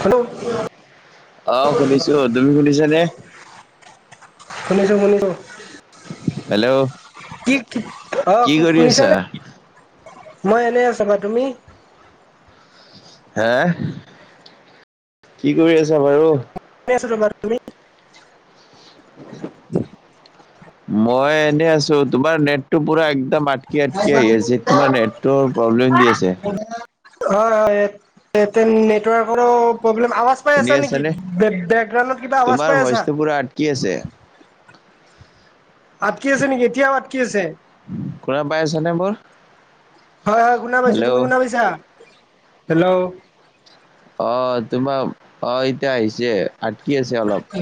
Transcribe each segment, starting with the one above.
Hello? অ' শুনিছো, তুমি শুনিছা নে? শুনিছো শুনিছো। হেল্ল'। কি কি অ' কি কৰি আছা শুনিছানে, মই এনেই আছো বা তুমি? হে, কি কৰি আছা বাৰু? এনেই আছো ৰবা, তুমি? মই এনে আছো, তোমাৰ নেটটো পুৰা একদম আটকি আটকি আহি আছে, তোমাৰ নেটৱৰ প্ৰব্লেম দি আছে। হয় হয় ইয়াতে নেটৱৰ্কৰো প্ৰব্লেম, আৱাজ পাই শুনি আছা নেকি, আছানে বে বেকগ্ৰাউণ্ডত কিবা আৱাজ পাই আছা? কি আছে। আটকি আছে নেকি, এতিয়াও আটকি আছে? শুনা পাই আছা নে মোৰ? হয় হয় শুনা পাইছো হেল্ল' তুমি শুনা পাইছা, হেল্ল'? অ তোমাৰ, অ এতিয়া আহিছে আটকি আছে অলপ।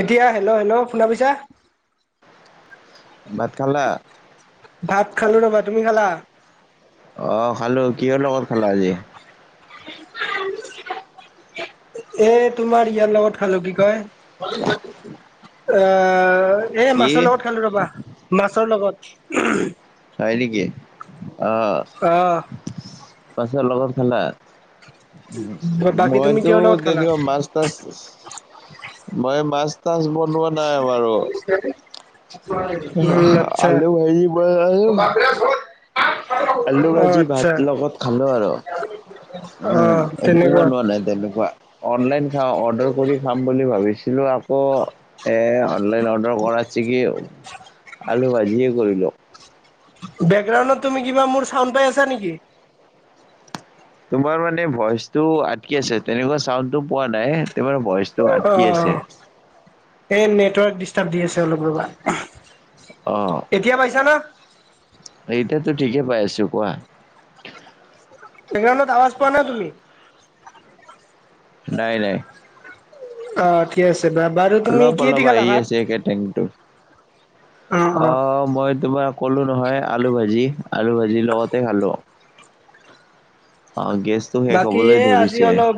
এতিয়া হেল্ল' হেল্ল' শুনা পাইছা? ভাত খালা? ভাত খালো ৰবা, তুমি খালা? অ খালো। কিহৰ লগত খালা আজি? এ তোমাৰ ইয়াৰ লগত খালো, কি কয় এ এই কি মাছৰ লগত খালো ৰবা মাছৰ লগত। হয় নেকি, অ। অ'। মাছৰ লগত খালা, বাকী তুমি মইতো কিহৰ লগত খালা তেনেকোৱা মাছ তাছ, মই মাছ তাছ বনোৱা নাই বাৰু। কিহেদি? [unintelligible] আলু ভাজি বনালো, অ আলু ভাজি ভাত আচ্ছা লগত খালো আৰু অ উম এই তেনেকুৱা বনোৱা নাই তেনেকুৱা। অনলাইন খাও অৰ্ডাৰ কৰি খাম বুলি ভাবিছিলোঁ, আকৌ এ অনলাইন অড- ৰ্ডাৰ কৰাত চিকি আলু ভাজিয়ে কৰিলো। বেকগ্ৰাউণ্ডত তুমি কিবা মোৰ চাউণ্ড পাইছা নেকি? তোমাৰ মানে ভইচ টো আতকি আছে, তেনেকুৱা চাউণ্ডটো পোৱা নাই তোমাৰ ভইচ অ, এই নেটৰ ডিষ্টাব দি আছে অলপ ৰবা। অ। এতিয়া পাইছা না? এতিয়াতো ঠিকেই পাই আছো কোৱা। বেকগ্ৰাউণ্ডত আৱাজ পোৱা নাই তুমি? নাই নাই। অ ঠিক আছে বা- বাৰু তুমি অলপ কিহেদি অলপ খালা আহি ভাত? আছে একে টেংটো। অ, মই তোমাৰ ক'লো নহয় আলু ভাজি আলু ভাজি লগতে খালো। অ গেছ বাকী এ আজি অলপ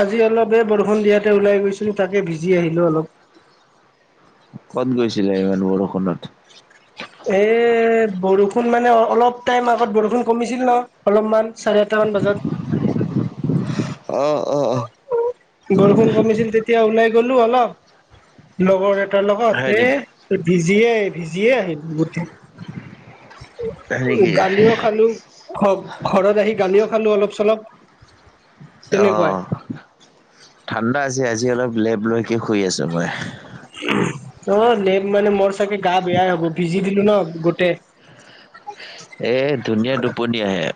আজি অলপ এ বৰষুণ দিয়াতে ওলাই গৈছিলো তাকে ভিজি আহিলো অলপ ক'ত গৈছিলে ইমান বৰষুণত? এ বৰষুণ মানে অলপ টাইম আগত বৰষুণ কমিছিল ন অলপমান চাৰে এটামান বজাত অহ অহ অহ বৰষুণ কমিছিল তেতিয়া ওলাই গলো অলপ লগৰ এটাৰ হয় লগত নেকি, এ ভিজিয়ে ভিজিয়ে আহিল গোটেই হয় নেকি, গালিও খালোঁ ঘ ঘৰত আহি গালিও খালোঁ অলপ চলপ অ তেনেকুৱাই ঠাণ্ডা হৈছে আজি অলপ লেপ লৈকে শুই আছো মই অ লেপ মানে মোৰ চাগে গা বেয়াই হ'ব ভিজি দিলো ন গোটেই এ ধুনীয়া টোপনি আহে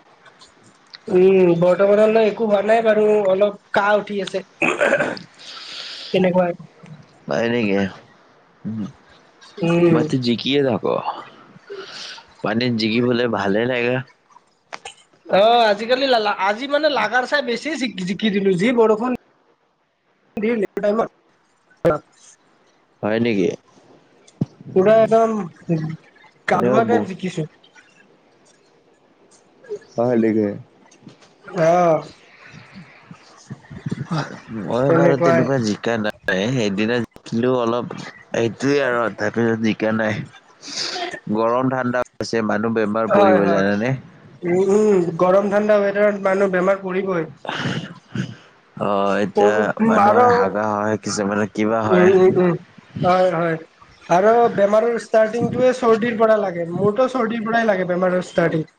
উম বৰ্তমানলৈ একো হোৱা নাই বাৰু অলপ কাহ উঠি আছে কেনেকুৱা নাই নেকি উম মইতো জিকিয়ে যাম অহ পানীত জিকিবলে ভাল হে লাগে অ আজি-কালি আজি মানে লাগাৰ চাই বেছি জিকি জিকি দিলো যি বৰষুণ দিলে সেইটো টাইমত [unintelligible] হয় নেকি পুৰা একদম এনেকুৱা কালুৱা ব এটাই জিকিছে উ [unintelligible] অহ [unintelligible] হয় মই বাৰু তেনেকুৱাই তেনেকুৱা জিকা নাই সেইদিনা জিকিলো অলপ এইটোয়ে আৰু তাৰ পিছত জিকা নাই গৰম ঠাণ্ডা হৈছে মানুহ বেমাৰ হয় পৰিব হয় জানানে উম উম গৰম ঠাণ্ডা ৱেডাৰত মানুহ বেমাৰ পৰিবই অ এতিয়া আৰু মানুহৰ হাগা হয় কিছুমান কিবা উম হয় উম উম হয় হয় আৰু বেমাৰৰ ষ্টাৰ্টিংটোয়ে চৰ্দিৰ পৰা লাগে মোৰতো চৰ্দিৰ পৰাই লাগে বেমাৰৰ ষ্টাৰ্টিং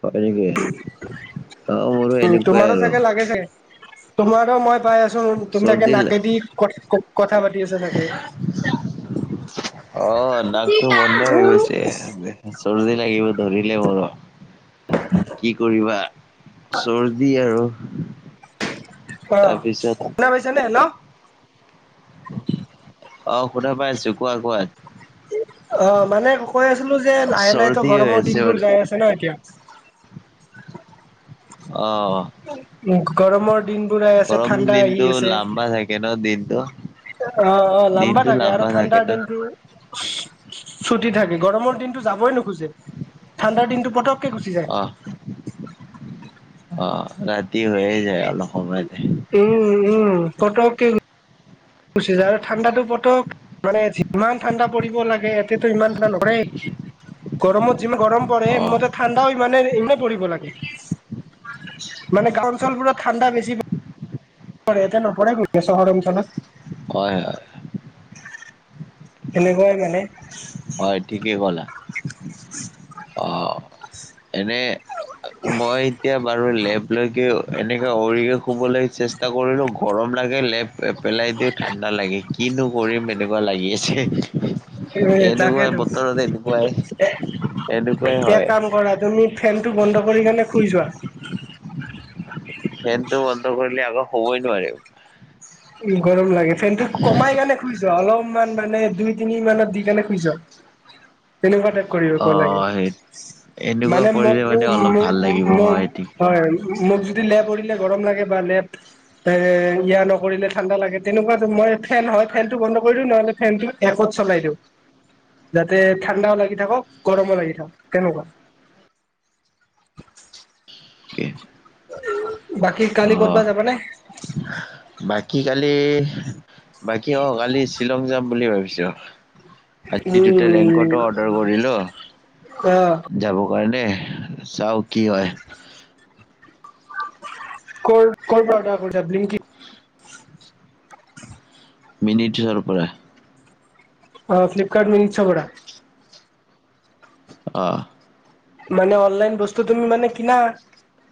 হয় নেকি? অ মোৰো উম এনেকুৱাই তোমাৰো আৰু চাগে লাগে চাগে তোমাৰো মই পাই আছো তুমি চাগে চৰ্দি লা- নাকেদি ক কথা পাতি আছে চাগে অ নাকটো বন্ধ হৈ গৈছে। চৰ্দি লাগিব ধৰিলে মোৰো। কি কৰিবা চৰ্দি আৰু অ তাৰপিছত শুনা পাইছে নে হেল্ল' অ শুনা পাই আছো কোৱা কোৱা। অ মানে কৈ আছিলো যে লাহে লাহ তো চৰ্দি হৈ গৰমৰ দিন আছে বোৰ মানে যাই আছে ন এতিয়া অ গৰমৰ দিনবোৰই আছে গৰম ঠাণ্ডা আহি দিনটো আছে লাম্বা থাকে ন দিনটো অ অ লম্বা দিনটো থাকে লাম্বা আৰু ন ঠাণ্ডাৰ দিনটো ছুটি থাকে গৰমৰ দিনটো যাবই নোখোজে ঠাণ্ডাৰ দিনটো পতক অহ অ ৰাতি হৈয়ে যায় অলপ সময়তে। উম, উম, পটককে গুচি যায় আৰু ঠাণ্ডাটো পটক মানে যিমান ঠাণ্ডা পৰিব লাগে, ইয়াতেটো ইমান ঠাণ্ডা নকৰে। গৰমত যিমান গৰম পৰে অ', [unintelligible] ঠাণ্ডাও ইমানে, ইমান পৰিব লাগে। মানে গাঁও অঞ্চলবোৰত ঠাণ্ডা বেছি এতিয়া নপৰে, এতিয়া নপৰে গৰম চহৰ অঞ্চলত। হয়, হয়। সেনেকুৱাই মানে। হয়, ঠিকেই ক'লা অ', এনে মই এতিয়া বাৰু লেপ লৈকে এনেকে অৰিকে শুবলৈ চেষ্টা কৰিলোঁ। গৰম লাগে লেপ পেলাই দিও ঠাণ্ডা লাগে, তোমাৰ কিনো কৰিম এনেকুৱা লাগি আছে। উম, এনেকুৱা তাকেতো বতৰত এনেকুৱাই এনেকুৱাই এ-এক হয়, কাম কৰা তুমি ফেনটো বন্ধ কৰি কিনে শুই যোৱা। ফেনটো বন্ধ কৰিলে আকৌ শুবই নোৱাৰিম। উম, গৰম লাগে। ফেন টো কমাই কেনে শুই যোৱা অলপমান মানে দুই তিনি মানত দি কেনে শুই যোৱা। তেনেকুৱা টাইপ কৰিব ল'ব লাগে। অ', সেই এনেকুৱা মানে কৰিলে মোক মানে অলপ ভাল লাগিব হয়, -মোক-মোক ঠিকে। হয়। মোক যদি লেপ পৰিলে গৰম লাগে বা লেপ এ, ইয়াৰ ল কৰিলে ঠাণ্ডা লাগে, তেনেকুৱ মই ফেন হয়, ফেন টো বন্ধ দিওঁ নহ'লে ফেনটো একত চলাই দিওঁ। যাতে ঠাণ্ডাও লাগি থাকক, গৰমো লাগি থাকক তেনেকুৱা। বাকী কালি ক'তবা অ', যাবানে? বাকী কালি বাকী অ', কালি শ্বিলং যাম বুলি ভাবিছোঁ। আজি দুটা উম ৰেংকটো অৰ্ডাৰ কৰিলোঁ। অ যাবৰ কাৰণে, চাওঁ কি হয়। ক'ৰ, ক'ৰ পৰা অৰ্ডাৰ কৰিলা ব্লিংকি? মিনিটৰ পৰা। অ', ফ্লিপকাৰ্ট মিষ্টৰ পৰা। অ'। মানে অনলাইন বস্তুটো তুমি মানে কিনা,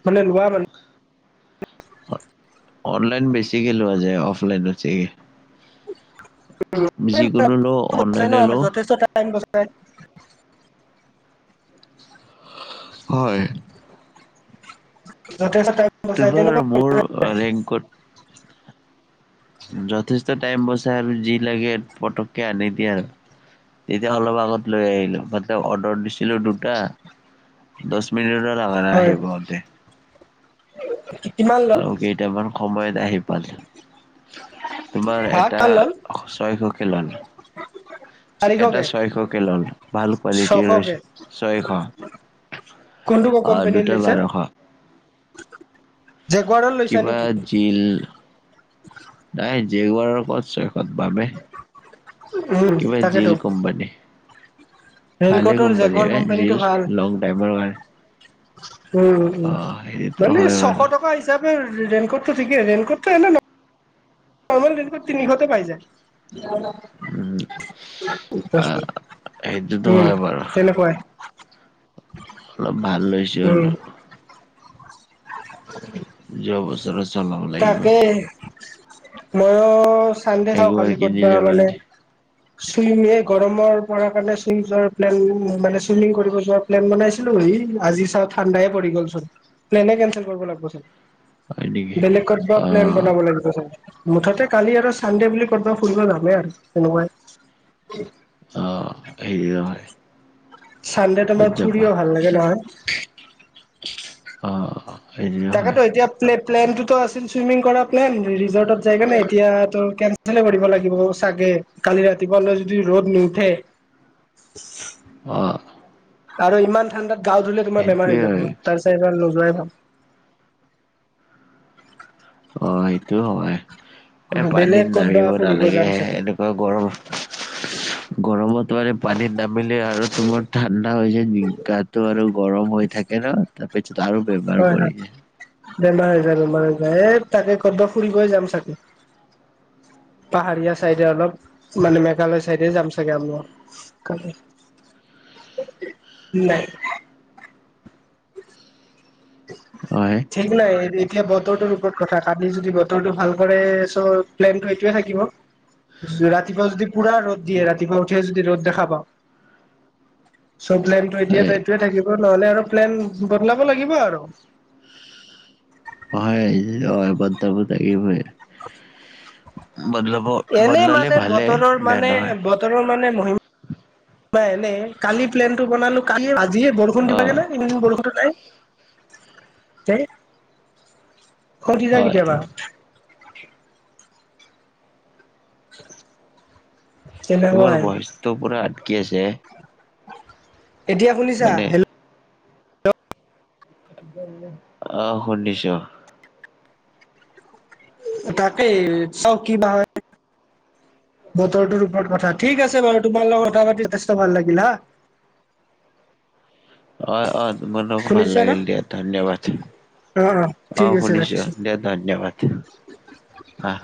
মানে লোৱা মানে! অনলাইন বেছিকৈ লোৱা যায়, অফলাইনতছে। যিকোনো [unintelligible] লওঁ অনলাইনে আমাৰ লওঁ যথেষ্ট টাইম বছাই। [inaudible] হয়। যথেষ্ট টাইম বচাই তোমাৰ তেনেকুৱা মোৰ ৰেংকোত যথেষ্ট টাইম বচাই আৰু যি লাগে পটককে আনি দিয়ে আৰু। এতিয়া অলপ আগত লৈ আহিলোঁ, মটলব অৰ্ডাৰ দিছিলোঁ দুটা। দচ মিনিটত হয়। কিমান ল'ল আৰু কেইটামান সময়ত আহি পাইছোঁ। তোমাৰ হা এটা কিমান ল'ল ছয়সুখী [unintelligible] এটা চাৰিশকে ছয়শকে ল'ল, ভাল কোৱালিটিৰ ছশকে হৈছে ছয়শ। [inaudible] কোনটো ক- কোম্পনী দুটা লৈছা? বাৰশ যে কোৱা কিবা জিল, নাই [unintelligible] [unintelligible] [unintelligible] বামে। উম কিবা জীল তাকেতো কোম্পানী। ভালে ৰেইনকোটৰ জেগৱাৰ কোম্পানীৰে কোম্পানীটো জিল ভাল লং টাইমৰ হয়। উম উম, সেইটোতো মানে হয় বাৰু ছয়শ টকা হি- চাপে ৰে-ৰেইনকটটো থিকে, ৰেনকটটো এনে ন- সমল তেনেকুৱা তিনিশতে পাই যায়। উম আহ, সেইটোতো উম, হয় বাৰু তেনেকুৱাই। অলপ ভাল লৈছোঁ উম আৰু। [unintelligible] যোৱা বছৰ- তাকে, মইও- সান্‌ডে চাওঁ, একবাৰ কালি ক'তবা কিনিলে মানে- চুইম এই গৰমৰ পৰা কাৰণে [unintelligible] প্লেন মানে, চুইমিং কৰিব যোৱা- প্লেন বনাইছিলোঁ। ই' আজি চাওঁ ঠাণ্ডাই পৰি গ'ল চোন। প্লেনে কেনচেল কৰিব লাগিবচোন। হয় নেকি বেলেগ কতবা অ প্লেন বনাব লাগিব চাগে? মুঠতে কালি আৰু সান্‌ডে বুলি ক'ব ফুৰিব যামেই আৰু। তেনেকুৱাই। অহ, এইয়াই। সান্‌ডে তোমাৰ ফুৰিও ভাল লাগে নহয়। অ'। সেইটো হয় তাকতো, এতিয়া প্লে-প্লেনটোতো আছিল চুইমিং কৰা প্লেন, ৰি-ৰিচৰ্টটোত যায় কেনে। এতিয়াতো কেন- চেলে কৰিব লাগিব চাগে। কালি ৰাতিপুৱালৈ যদি ৰ'দ নুঠে। অহ। আৰু ইমান ঠাণ্ডাত গাওঁ ধুলে তোমাৰ বেমাৰ হৈ যাব। হয় তাৰ চাইমান নোযোৱাই ভাল। অ' সেইটোও হয়। এ' বেলেগ পানীত ক'তবা নামিব ফুৰিব নালাগে যাম হে চাগে এনু- ৱা গৰম। গৰমত মানে- পানীত নামিলে আৰু তোমাৰ ঠাণ্ডা হয় যে। ম' গাটো আৰু গৰম হৈ থাকে ন'। তাৰ পিছত আৰু বেমাৰ হয় হয় পৰি যায়। বেমাৰ হৈ যায়, বেমাৰ হৈ যায়। এ' তাকে, কতবা ফুৰিবই যাম চাগে। পাহাৰীয়া চাইডে অলপ। মানে, মেঘালয় চাইডে যাম চাগে আমিও কালি। নাই। হয় ঠিক নাই, হেৰি - এতিয়া বতৰটোৰ ওপৰত কথা। কালি যদি বতৰটো ভাল কৰে চ' প্লেনটো এইটোৱে থাকিব। ৰাতিপুৱা যদি পুৰা ৰ'দ দিয়ে। ৰাতিপুৱা- উথিও যদি ৰ'দ দেখা পাওঁ। চ' প্লেনটো এতিয়া হয় তাই- সেইটোৱে থাকিব। নহ'লে আৰু প্লেন বদলাব লাগিব আৰু। হয় অভদ্ৰবোৰ থাকিবই। [unintelligible] এনেই মানে বতৰৰ মানে বত - বতৰৰ মানে মহি মা এনে। কালি প্লেনটো বনালোঁ। কালি আজিয়ে বৰষুণ অ দিব লাগে নে? এইকৈদিন বৰষুণে নাই। দে। খং উঠি যায় হয় কেতিয়াবা। [unintelligible] তোমাৰ তেনেকুৱাই ভইচটো পুৰা আটকি আছে। এতিয়া শুনিছা? মানে হেল- অহ, শুনিছোঁ। তাকেই, চাওঁ কি বা হয়। বতৰটোৰ ওপৰত কথা ঠিক আছে বাৰু তোমাৰ লগত কথা পাতি যথেষ্ট ভাল লাগিল হা অ অ তোমাৰ লগতো ভাল শুনিছা ন লাগিল দিয়া ধন্যবাদ। অ অ অহ ঠিক আছে শুনিছোঁ ৰাখিছো দিয়া পাতিম আহ